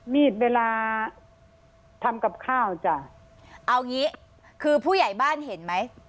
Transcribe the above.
มีดเวลาทำกับข้าวจ้ะเอางี้คือผู้ใหญ่บ้านเห็นไหม